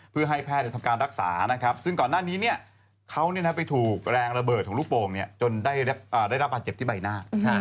เพื่อให้แพทย์ทำการรักษานะครับซึ่งก่อนหน้านี้เขาไปถูกแรงระเบิดของลูกโป่งจนได้รับบาดเจ็บที่ใบหน้า